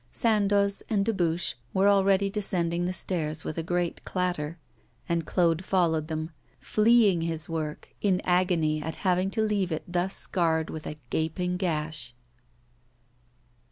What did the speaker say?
Sandoz and Dubuche were already descending the stairs with a great clatter, and Claude followed them, fleeing his work, in agony at having to leave it thus scarred with a gaping gash.